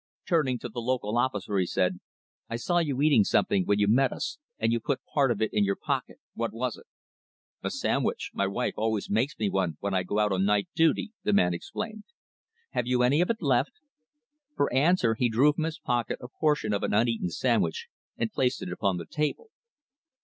Turning to the local officer he said "I saw you eating something when you met us and you put part of it in your pocket. What was it?" "A sandwich. My wife always makes me one when I go out on night duty," the man explained. "Have you any of it left?" For answer he drew from his pocket a portion of an uneaten sandwich and placed it upon the table.